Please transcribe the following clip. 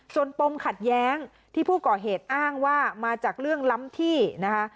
ส่วนปมขัดแย้งที่ผู้ก่อเหตุอ้างว่ามาจากเรื่องล้ำที่นะคะ